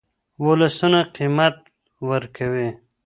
ولسونه قیمت ورکوي.